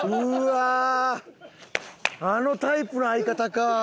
あのタイプの相方か。